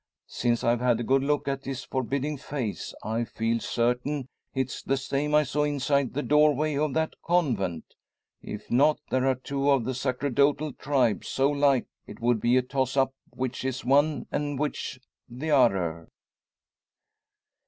Since I've had a good look at his forbidding face, I feel certain it's the same I saw inside the doorway of that convent. If not, there are two of the sacerdotal tribe so like it would be a toss up which is one and which t'other.